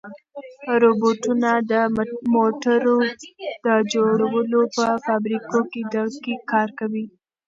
روبوټونه د موټرو د جوړولو په فابریکو کې دقیق کار کوي.